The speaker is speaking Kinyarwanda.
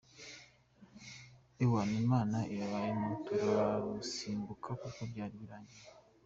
Ewana Imana ibibayemo turarusimbuka kuko byari birangiye.